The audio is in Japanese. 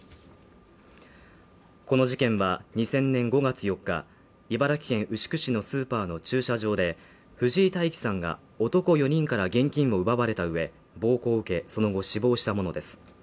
この事件は、２０００年５月４日、茨城県牛久市のスーパーの駐車場で藤井大樹さんが、男４人から現金を奪われたうえ暴行受け、その後死亡したものです。